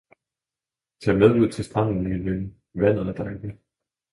Tag med ud til stranden min ven. Vandet er dejligt